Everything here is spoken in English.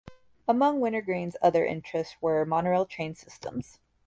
Among Wenner-Gren's other interests were monorail train systems.